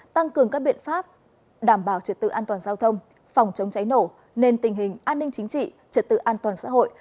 tăng cường các biện pháp đảm bảo trật tự an toàn giao thông phòng chống cháy nổ nên tình hình an ninh chính trị trật tự an toàn xã hội